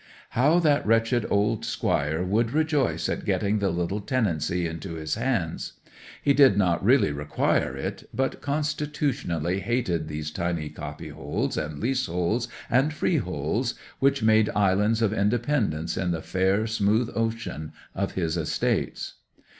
How that wretched old Squire would rejoice at getting the little tenancy into his hands! He did not really require it, but constitutionally hated these tiny copyholds and leaseholds and freeholds, which made islands of independence in the fair, smooth ocean of his estates.